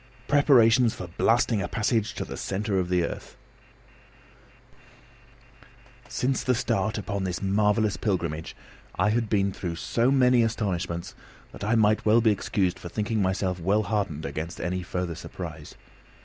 PREPARATIONS FOR BLASTING A PASSAGE TO THE CENTRE OF THE EARTH Since the start upon this marvellous pilgrimage I had been through so many astonishments that I might well be excused for thinking myself well hardened against any further surprise.